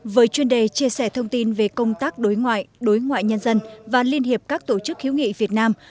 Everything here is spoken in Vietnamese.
với chuyên đề chia sẻ thông tin về công tác đối ngoại đối ngoại nhân dân và liên hiệp các tổ chức hiếu nghị việt nam